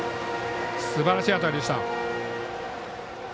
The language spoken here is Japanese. すばらしい当たりでした。